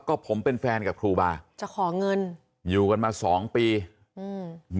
ก็ผมเป็นแฟนกับครูบาจะขอเงินอยู่กันมาสองปีอืม